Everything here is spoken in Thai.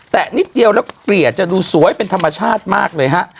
นิดเดียวแล้วเกลี่ยจะดูสวยเป็นธรรมชาติมากเลยฮะ